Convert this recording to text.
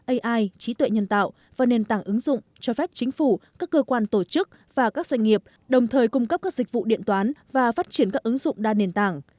ai trí tuệ nhân tạo và nền tảng ứng dụng cho phép chính phủ các cơ quan tổ chức và các doanh nghiệp đồng thời cung cấp các dịch vụ điện toán và phát triển các ứng dụng đa nền tảng